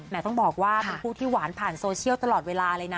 ต้องบอกว่าเป็นผู้ที่หวานผ่านโซเชียลตลอดเวลาเลยนะ